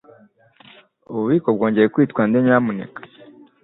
Ububiko bwongeye kwitwa nde, nyamuneka?